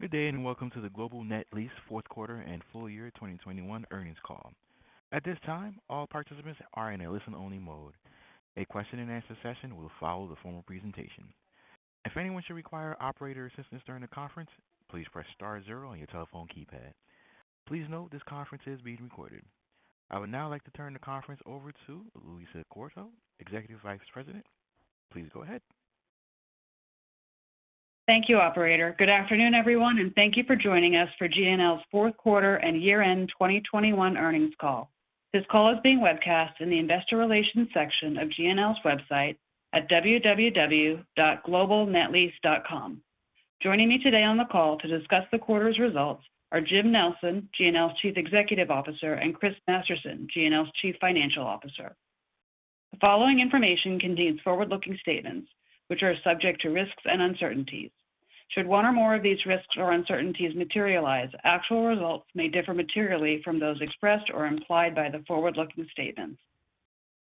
Good day, and welcome to the Global Net Lease fourth quarter and full year 2021 earnings call. At this time, all participants are in a listen-only mode. A question and answer session will follow the formal presentation. If anyone should require operator assistance during the conference, please press star zero on your telephone keypad. Please note this conference is being recorded. I would now like to turn the conference over to Louisa Quarto, Executive Vice President. Please go ahead. Thank you, operator. Good afternoon, everyone, and thank you for joining us for GNL's fourth quarter and year-end 2021 earnings call. This call is being webcast in the investor relations section of GNL's website at www.globalnetlease.com. Joining me today on the call to discuss the quarter's results are Jim Nelson, GNL's Chief Executive Officer, and Christopher Masterson, GNL's Chief Financial Officer. The following information contains forward-looking statements which are subject to risks and uncertainties. Should one or more of these risks or uncertainties materialize, actual results may differ materially from those expressed or implied by the forward-looking statements.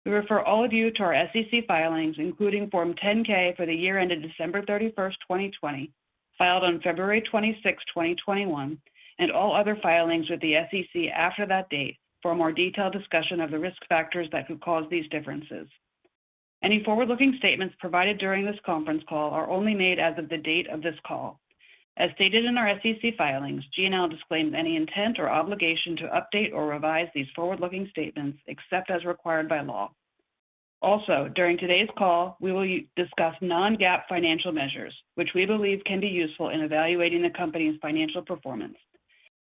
We refer all of you to our SEC filings, including Form 10-K for the year ended December 31, 2020, filed on February 26, 2021, and all other filings with the SEC after that date for a more detailed discussion of the risk factors that could cause these differences. Any forward-looking statements provided during this conference call are only made as of the date of this call. As stated in our SEC filings, GNL disclaims any intent or obligation to update or revise these forward-looking statements except as required by law. Also, during today's call, we will discuss non-GAAP financial measures, which we believe can be useful in evaluating the company's financial performance.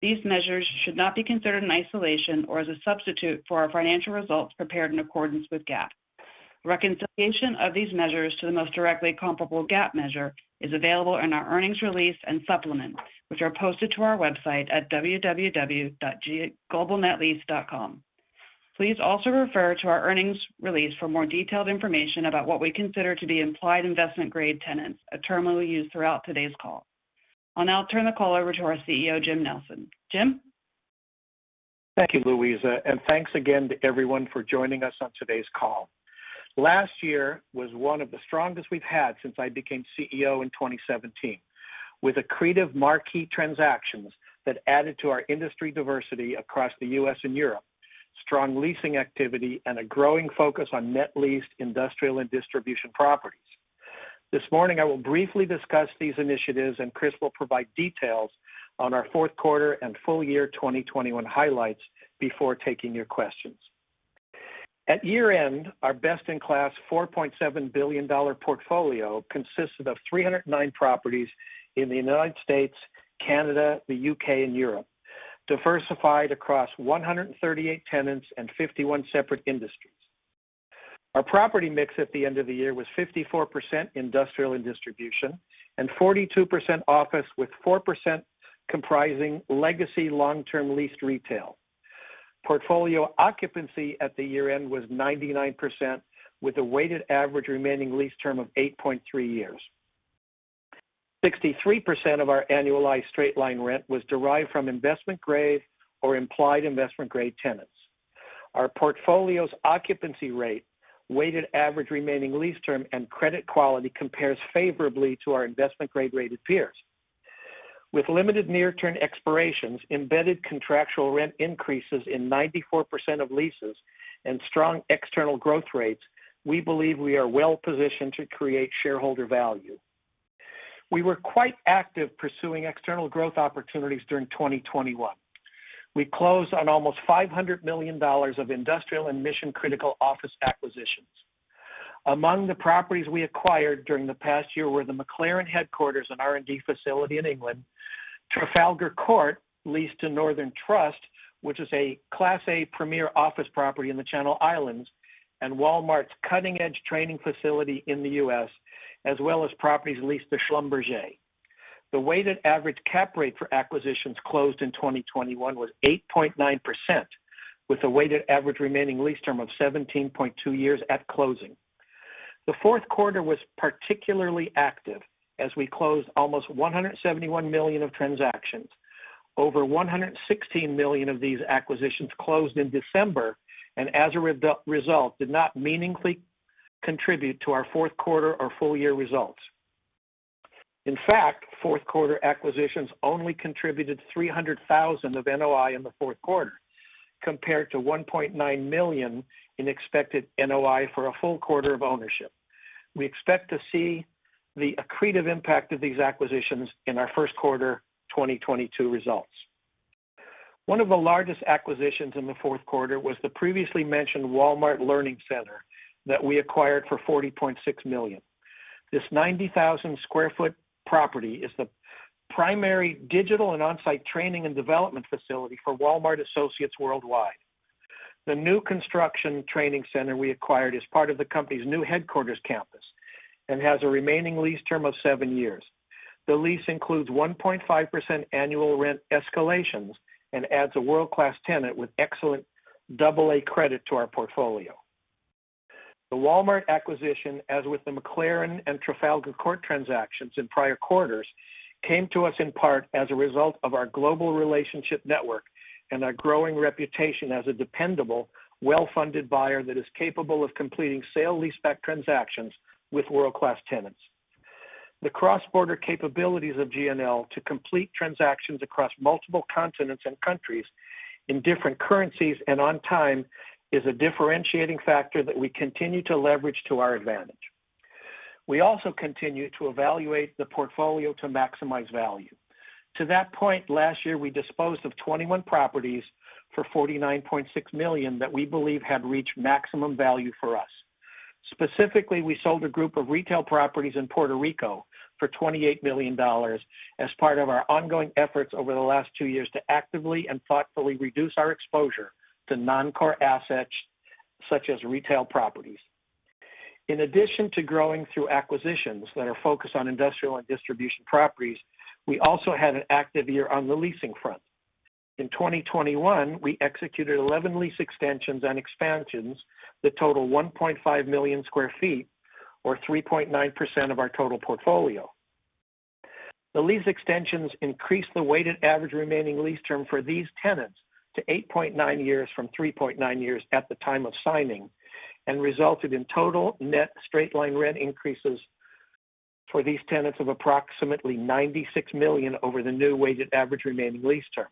These measures should not be considered in isolation or as a substitute for our financial results prepared in accordance with GAAP. Reconciliation of these measures to the most directly comparable GAAP measure is available in our earnings release and supplements, which are posted to our website at www.globalnetlease.com. Please also refer to our earnings release for more detailed information about what we consider to be implied investment grade tenants, a term we'll use throughout today's call. I'll now turn the call over to our CEO, Jim Nelson. Jim. Thank you, Louisa, and thanks again to everyone for joining us on today's call. Last year was one of the strongest we've had since I became CEO in 2017, with accretive marquee transactions that added to our industry diversity across the U.S. and Europe, strong leasing activity, and a growing focus on net leased industrial and distribution properties. This morning, I will briefly discuss these initiatives, and Chris will provide details on our fourth quarter and full year 2021 highlights before taking your questions. At year-end, our best in class $4.7 billion portfolio consisted of 309 properties in the United States, Canada, the U.K., and Europe, diversified across 138 tenants and 51 separate industries. Our property mix at the end of the year was 54% industrial and distribution and 42% office, with 4% comprising legacy long-term leased retail. Portfolio occupancy at the year-end was 99%, with a weighted average remaining lease term of 8.3 years. 63% of our annualized straight-line rent was derived from investment-grade or implied investment-grade tenants. Our portfolio's occupancy rate, weighted average remaining lease term, and credit quality compares favorably to our investment grade rated peers. With limited near-term expirations, embedded contractual rent increases in 94% of leases and strong external growth rates, we believe we are well positioned to create shareholder value. We were quite active pursuing external growth opportunities during 2021. We closed on almost $500 million of industrial and mission-critical office acquisitions. Among the properties we acquired during the past year were the McLaren headquarters and R&D facility in England, Trafalgar Court, leased to Northern Trust, which is a Class A premier office property in the Channel Islands, and Walmart's cutting-edge training facility in the U.S., as well as properties leased to Schlumberger. The weighted average cap rate for acquisitions closed in 2021 was 8.9%, with a weighted average remaining lease term of 17.2 years at closing. The fourth quarter was particularly active as we closed almost $171 million of transactions. Over $116 million of these acquisitions closed in December, and as a result, did not meaningfully contribute to our fourth quarter or full year results. In fact, fourth quarter acquisitions only contributed $300,000 of NOI in the fourth quarter, compared to $1.9 million in expected NOI for a full quarter of ownership. We expect to see the accretive impact of these acquisitions in our first quarter 2022 results. One of the largest acquisitions in the fourth quarter was the previously mentioned Walmart Learning Center that we acquired for $40.6 million. This 90,000 sq ft property is the primary digital and on-site training and development facility for Walmart associates worldwide. The new construction training center we acquired is part of the company's new headquarters campus and has a remaining lease term of 7 years. The lease includes 1.5% annual rent escalations and adds a world-class tenant with excellent AA credit to our portfolio. The Walmart acquisition, as with the McLaren and Trafalgar Court transactions in prior quarters, came to us in part as a result of our global relationship network and our growing reputation as a dependable, well-funded buyer that is capable of completing sale leaseback transactions with world-class tenants. The cross-border capabilities of GNL to complete transactions across multiple continents and countries in different currencies and on time is a differentiating factor that we continue to leverage to our advantage. We also continue to evaluate the portfolio to maximize value. To that point, last year we disposed of 21 properties for $49.6 million that we believe had reached maximum value for us. Specifically, we sold a group of retail properties in Puerto Rico for $28 million as part of our ongoing efforts over the last 2 years to actively and thoughtfully reduce our exposure to non-core assets such as retail properties. In addition to growing through acquisitions that are focused on industrial and distribution properties, we also had an active year on the leasing front. In 2021, we executed 11 lease extensions and expansions that total 1.5 million sq ft or 3.9% of our total portfolio. The lease extensions increased the weighted average remaining lease term for these tenants to 8.9 years from 3.9 years at the time of signing, and resulted in total net straight-line rent increases for these tenants of approximately $96 million over the new weighted average remaining lease term.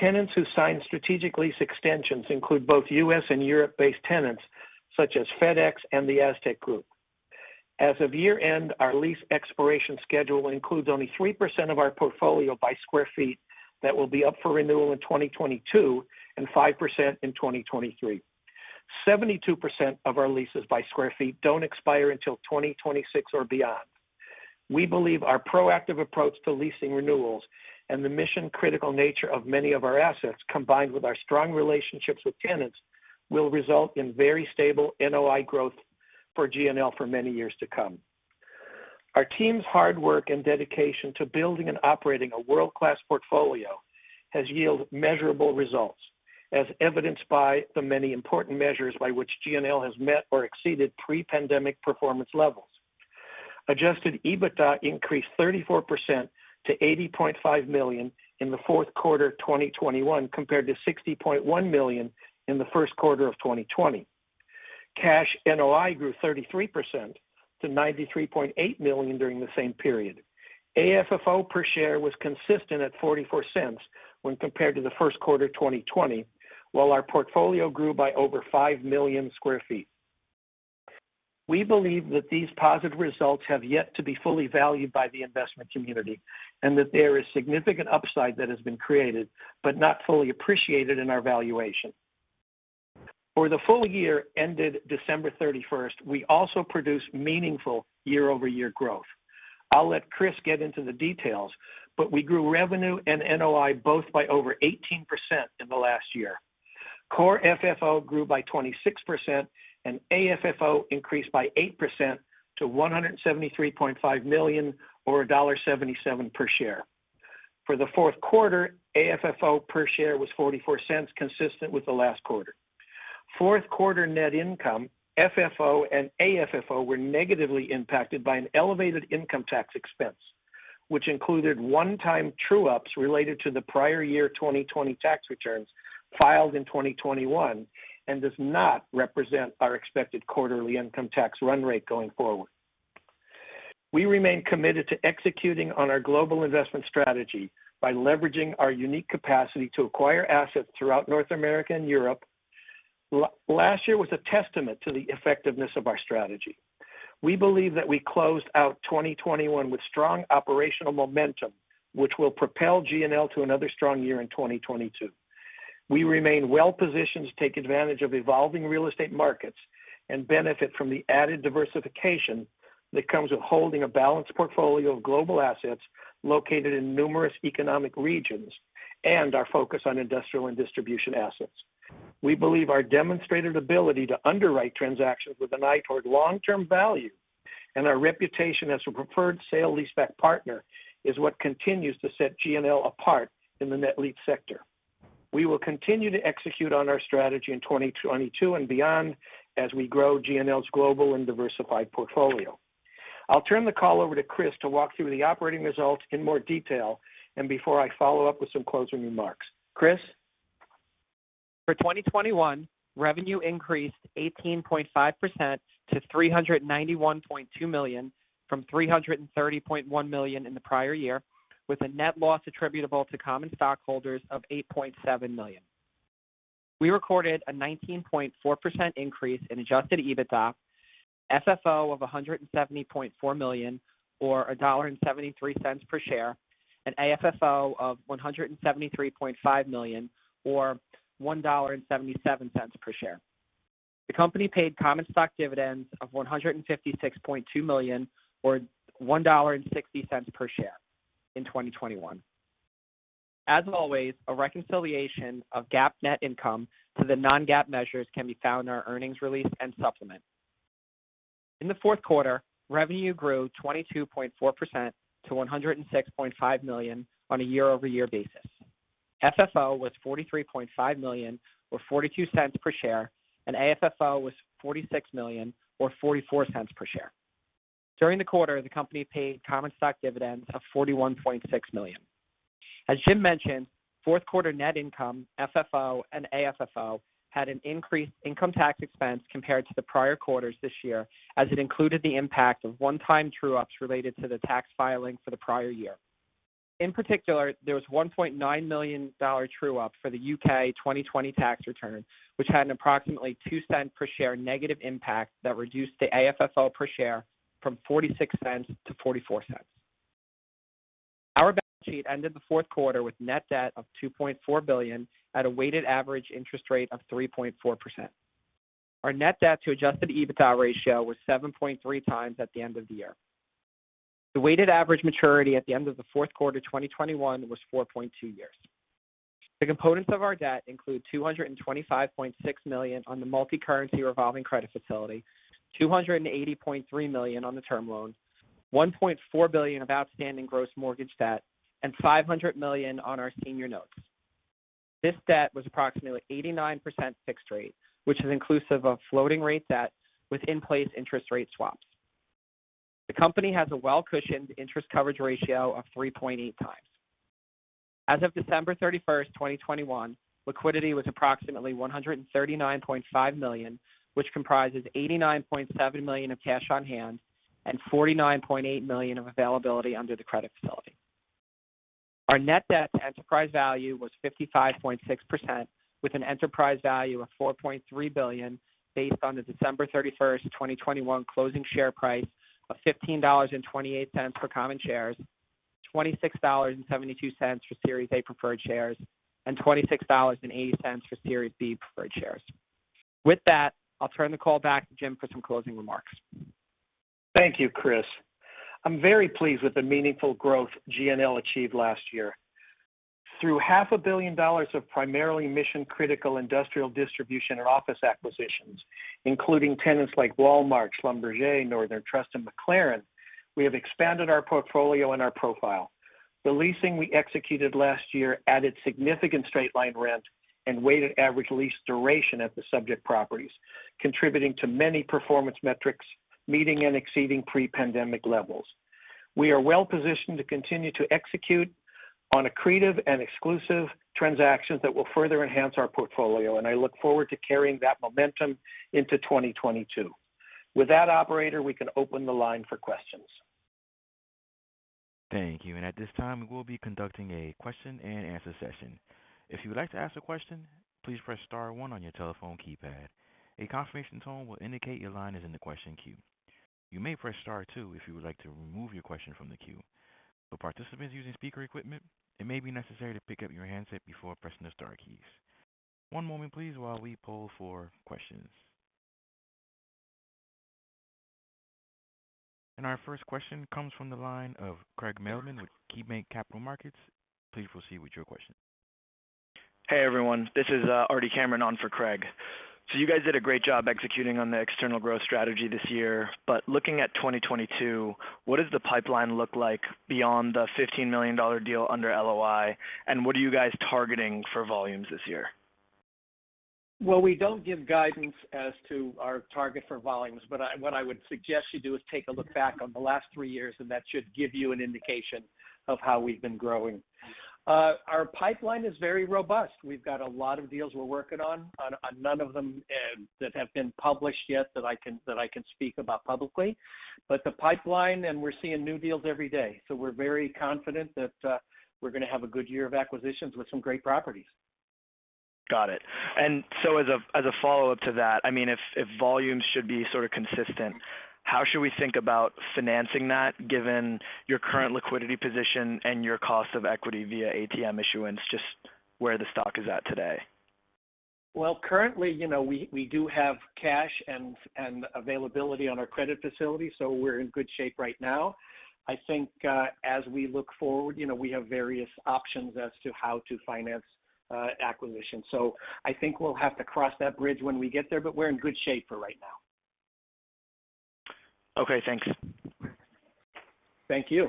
Tenants who signed strategic lease extensions include both U.S. and Europe-based tenants such as FedEx and the Aztec Group. As of year-end, our lease expiration schedule includes only 3% of our portfolio by square feet that will be up for renewal in 2022 and 5% in 2023. 72% of our leases by square feet don't expire until 2026 or beyond. We believe our proactive approach to leasing renewals and the mission-critical nature of many of our assets, combined with our strong relationships with tenants, will result in very stable NOI growth for GNL for many years to come. Our team's hard work and dedication to building and operating a world-class portfolio has yielded measurable results, as evidenced by the many important measures by which GNL has met or exceeded pre-pandemic performance levels. Adjusted EBITDA increased 34% to $80.5 million in fourth quater 2021 compared to $60.1 million in first quarter 2020. Cash NOI grew 33% to $93.8 million during the same period. AFFO per share was consistent at $0.44 when compared to first quarter 2020, while our portfolio grew by over 5 million sq ft. We believe that these positive results have yet to be fully valued by the investment community, and that there is significant upside that has been created but not fully appreciated in our valuation. For the full year ended December 31, we also produced meaningful year-over-year growth. I'll let Chris get into the details, but we grew revenue and NOI both by over 18% in the last year. Core FFO grew by 26% and AFFO increased by 8% to $173.5 million or $1.77 per share. For the fourth quarter, AFFO per share was $0.44, consistent with the last quarter. Fourth quarter net income, FFO, and AFFO were negatively impacted by an elevated income tax expense, which included one-time true-ups related to the prior year 2020 tax returns filed in 2021 and does not represent our expected quarterly income tax run rate going forward. We remain committed to executing on our global investment strategy by leveraging our unique capacity to acquire assets throughout North America and Europe. Last year was a testament to the effectiveness of our strategy. We believe that we closed out 2021 with strong operational momentum, which will propel GNL to another strong year in 2022. We remain well positioned to take advantage of evolving real estate markets and benefit from the added diversification that comes with holding a balanced portfolio of global assets located in numerous economic regions and our focus on industrial and distribution assets. We believe our demonstrated ability to underwrite transactions with an eye toward long-term value and our reputation as a preferred sale leaseback partner is what continues to set GNL apart in the net lease sector. We will continue to execute on our strategy in 2022 and beyond as we grow GNL's global and diversified portfolio. I'll turn the call over to Chris to walk through the operating results in more detail and before I follow up with some closing remarks. Chris? For 2021, revenue increased 18.5% to $391.2 million from $330.1 million in the prior year, with a net loss attributable to common stockholders of $8.7 million. We recorded a 19.4% increase in adjusted EBITDA, FFO of $170.4 million or $1.73 per share, and AFFO of $173.5 million or $1.77 per share. The company paid common stock dividends of $156.2 million or $1.60 per share in 2021. As always, a reconciliation of GAAP net income to the non-GAAP measures can be found in our earnings release and supplement. In the fourth quarter, revenue grew 22.4% to $106.5 million on a year-over-year basis. FFO was $43.5 million or $0.42 per share, and AFFO was $46 million or $0.44 per share. During the quarter, the company paid common stock dividends of $41.6 million. As Jim mentioned, fourth quarter net income, FFO and AFFO had an increased income tax expense compared to the prior quarters this year, as it included the impact of one-time true ups related to the tax filing for the prior year. In particular, there was $1.9 million true up for the U.K. 2020 tax return, which had an approximately $0.02/share negative impact that reduced the AFFO per share from $0.46 to $0.44. Our balance sheet ended the fourth quarter with net debt of $2.4 billion at a weighted average interest rate of 3.4%. Our net debt to adjusted EBITDA ratio was 7.3x at the end of the year. The weighted average maturity at the end of the fourth quarter, 2021 was 4.2 years. The components of our debt include $225.6 million on the multicurrency revolving credit facility, $280.3 million on the term loan, $1.4 billion of outstanding gross mortgage debt, and $500 million on our senior notes. This debt was approximately 89% fixed rate, which is inclusive of floating rate debt with in-place interest rate swaps. The company has a well-cushioned interest coverage ratio of 3.8x. As of December 31, 2021, liquidity was approximately $139.5 million, which comprises $89.7 million of cash on hand and $49.8 million of availability under the credit facility. Our net debt to enterprise value was 55.6% with an enterprise value of $4.3 billion based on the December 31, 2021 closing share price of $15.28 per common shares, $26.72 for Series A Preferred Stock, and $26.80 for Series B Preferred Stock. With that, I'll turn the call back to Jim for some closing remarks. Thank you, Chris. I'm very pleased with the meaningful growth GNL achieved last year. Through half a billion dollars of primarily mission-critical industrial distribution and office acquisitions, including tenants like Walmart, Schlumberger, Northern Trust, and McLaren, we have expanded our portfolio and our profile. The leasing we executed last year added significant straight-line rent and weighted average lease duration at the subject properties, contributing to many performance metrics, meeting and exceeding pre-pandemic levels. We are well positioned to continue to execute on accretive and exclusive transactions that will further enhance our portfolio, and I look forward to carrying that momentum into 2022. With that, operator, we can open the line for questions. Thank you. At this time, we will be conducting a question and answer session. If you would like to ask a question, please press star one on your telephone keypad. A confirmation tone will indicate your line is in the question queue. You may press star two if you would like to remove your question from the queue. For participants using speaker equipment, it may be necessary to pick up your handset before pressing the star keys. One moment please while we poll for questions. Our first question comes from the line of Craig Mailman with KeyBanc Capital Markets. Please proceed with your question. Hey, everyone. This is [Ardie Kamran] on for Craig. You guys did a great job executing on the external growth strategy this year. Looking at 2022, what does the pipeline look like beyond the $15 million deal under LOI, and what are you guys targeting for volumes this year? Well, we don't give guidance as to our target for volumes, but what I would suggest you do is take a look back on the last three years, and that should give you an indication of how we've been growing. Our pipeline is very robust. We've got a lot of deals we're working on. On none of them that have been published yet that I can speak about publicly. The pipeline, and we're seeing new deals every day. We're very confident that we're gonna have a good year of acquisitions with some great properties. Got it. As a follow-up to that, I mean, if volumes should be sort of consistent, how should we think about financing that given your current liquidity position and your cost of equity via ATM issuance, just where the stock is at today? Well, currently, you know, we do have cash and availability on our credit facility, so we're in good shape right now. I think, as we look forward, you know, we have various options as to how to finance, acquisition. I think we'll have to cross that bridge when we get there, but we're in good shape for right now. Okay, thanks. Thank you.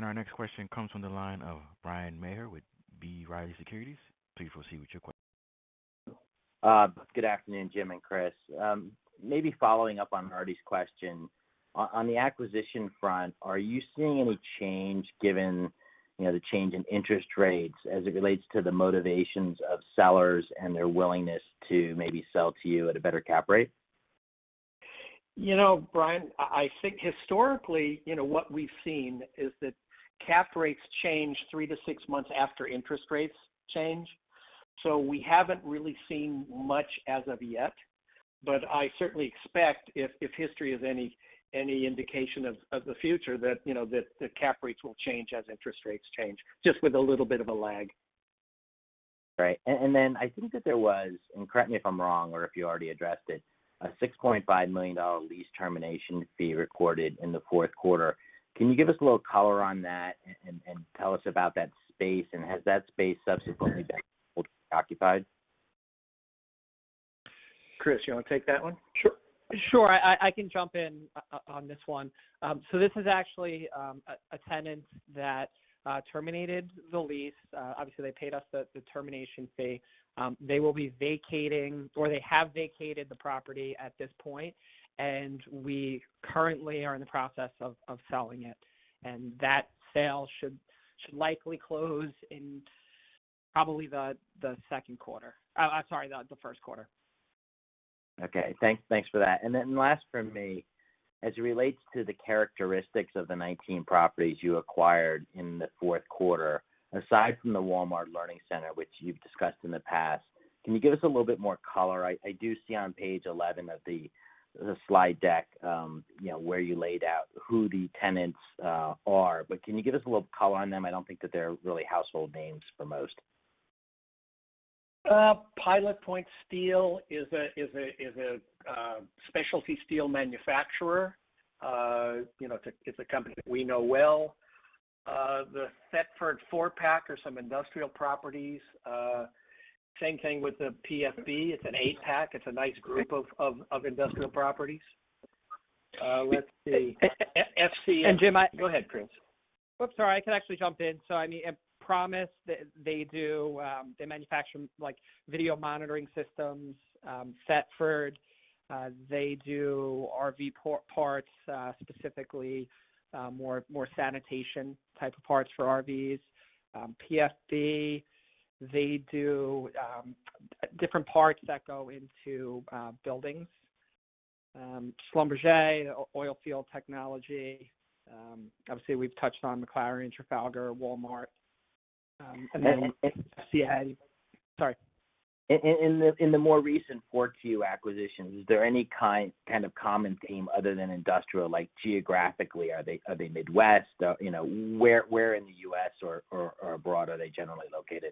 Our next question comes from the line of Bryan Maher with B. Riley Securities. Please proceed with your question. Good afternoon, Jim and Chris. Maybe following up on Ar's question, on the acquisition front, are you seeing any change given, you know, the change in interest rates as it relates to the motivations of sellers and their willingness to maybe sell to you at a better cap rate? You know, Brian, I think historically, you know, what we've seen is that cap rates change 3-6 months after interest rates change. We haven't really seen much as of yet. I certainly expect if history is any indication of the future, that, you know, that the cap rates will change as interest rates change, just with a little bit of a lag. Right. Then I think that there was, and correct me if I'm wrong or if you already addressed it, a $6.5 million lease termination fee recorded in the fourth quarter. Can you give us a little color on that and tell us about that space, and has that space subsequently been occupied? Chris, you wanna take that one? Sure. I can jump in on this one. So this is actually a tenant that terminated the lease. Obviously they paid us the termination fee. They will be vacating or they have vacated the property at this point, and we currently are in the process of selling it. That sale should likely close in probably the second quarter. I'm sorry, the first quarter. Okay. Thanks for that. Then last from me, as it relates to the characteristics of the 19 properties you acquired in the fourth quarter, aside from the Walmart Learning Center, which you've discussed in the past, can you give us a little bit more color? I do see on page 11 of the slide deck, you know, where you laid out who the tenants are, but can you give us a little color on them? I don't think that they're really household names for most. Pilot Point Steel is a specialty steel manufacturer. You know, it's a company that we know well. The Thetford four-pack is some industrial properties. Same thing with the PFB. It's an eight-pack. It's a nice group of industrial properties. Let's see. FCM- Jim, I- Go ahead, Chris. Oops, sorry. I can actually jump in. I mean, at Axis they do, they manufacture like video monitoring systems. Thetford, they do RV parts, specifically, more sanitation type of parts for RVs. PFB, they do different parts that go into buildings. Schlumberger, oil field technology. Obviously we've touched on McLaren and Trafalgar, Walmart. And then. And, and- Sorry. In the more recent 4Q acquisitions, is there any kind of common theme other than industrial? Like geographically, are they Midwest? You know, where in the U.S. or abroad are they generally located?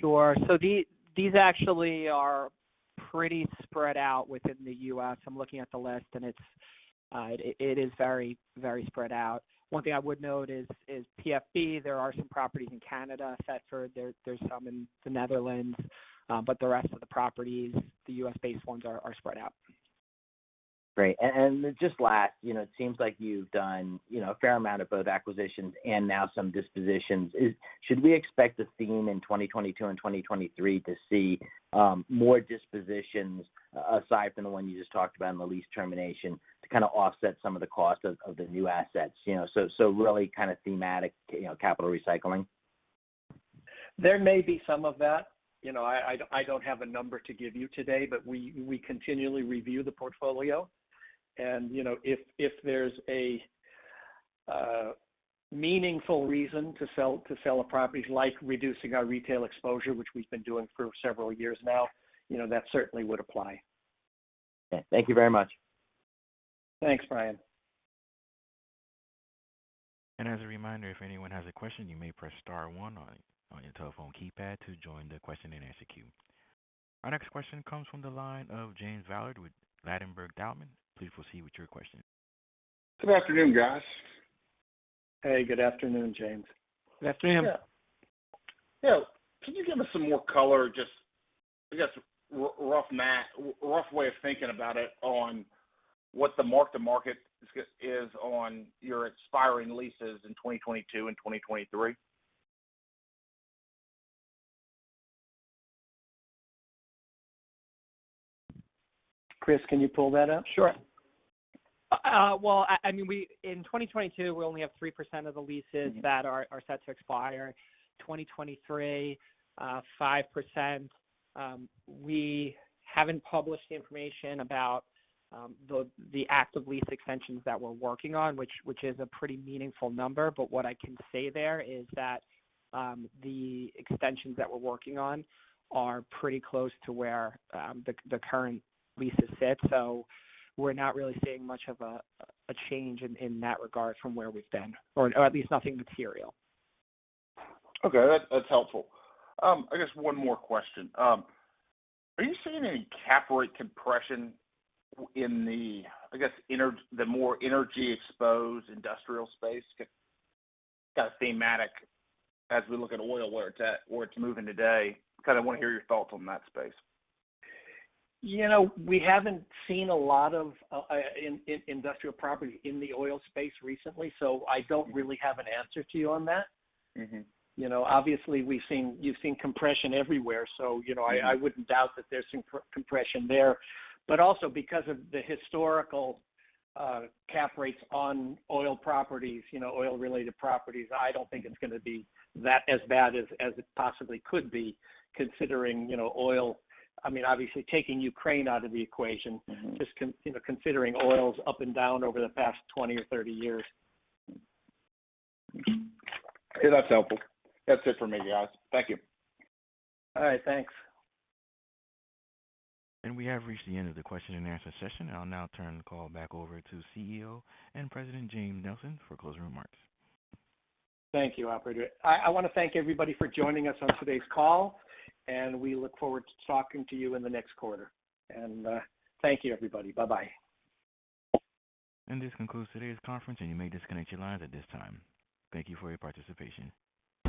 Sure. These actually are pretty spread out within the U.S. I'm looking at the list, and it is very, very spread out. One thing I would note is PFB, there are some properties in Canada. Thetford, there's some in the Netherlands, but the rest of the properties, the U.S.-based ones are spread out. Great. Just last, you know, it seems like you've done, you know, a fair amount of both acquisitions and now some dispositions. Should we expect a theme in 2022 and 2023 to see more dispositions aside from the one you just talked about in the lease termination to kind of offset some of the cost of the new assets? You know, so really kind of thematic, you know, capital recycling. There may be some of that. You know, I don't have a number to give you today, but we continually review the portfolio and, you know, if there's a meaningful reason to sell a property like reducing our retail exposure, which we've been doing for several years now, you know, that certainly would apply. Okay. Thank you very much. Thanks, Bryan. As a reminder, if anyone has a question, you may press star one on your telephone keypad to join the question and answer queue. Our next question comes from the line of James Villard with Ladenburg Thalmann. Please proceed with your question. Good afternoon, guys. Hey, good afternoon, James. Good afternoon. Yeah. You know, can you give us some more color, just I guess rough way of thinking about it on what the mark-to-market is just, is on your expiring leases in 2022 and 2023? Chris, can you pull that up? Sure. Well, I mean, in 2022, we only have 3% of the leases that are set to expire. 2023, 5%. We haven't published the information about the active lease extensions that we're working on, which is a pretty meaningful number. What I can say there is that the extensions that we're working on are pretty close to where the current leases sit. We're not really seeing much of a change in that regard from where we've been, or at least nothing material. Okay. That's helpful. I guess one more question. Are you seeing any cap rate compression in the, I guess, the more energy-exposed industrial space? Kind of thematic as we look at oil, where it's at, where it's moving today. Kind of wanna hear your thoughts on that space. You know, we haven't seen a lot of in industrial property in the oil space recently, so I don't really have an answer to you on that. Mm-hmm. You know, obviously you've seen compression everywhere, so you know. Mm-hmm. I wouldn't doubt that there's some compression there. Also because of the historical cap rates on oil properties, you know, oil-related properties, I don't think it's gonna be that bad as it possibly could be considering, you know, oil. I mean, obviously taking Ukraine out of the equation. Mm-hmm. You know, considering oil's up and down over the past 20 or 30 years. Okay, that's helpful. That's it for me, guys. Thank you. All right. Thanks. We have reached the end of the question and answer session. I'll now turn the call back over to CEO and President, Jim Nelson for closing remarks. Thank you, operator. I wanna thank everybody for joining us on today's call, and we look forward to talking to you in the next quarter. Thank you, everybody. Bye-bye. This concludes today's conference, and you may disconnect your lines at this time. Thank you for your participation.